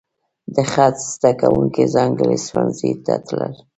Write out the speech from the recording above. د خط زده کوونکي ځانګړي ښوونځي ته تلل.